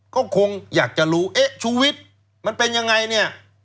ก็คงอยากจะรู้เอ๊ะชูวิทย์มันเป็นยังไงเนี่ย